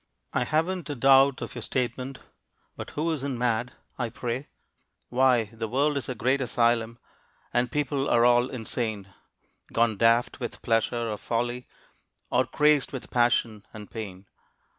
I haven't a doubt of your statement, But who isn't mad, I pray? Why, the world is a great asylum, And people are all insane, Gone daft with pleasure or folly, Or crazed with passion and pain.